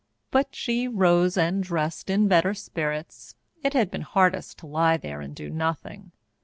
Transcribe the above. But she rose and dressed in better spirits. It had been hardest to lie there and do nothing.